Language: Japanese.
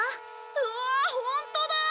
うわホントだ！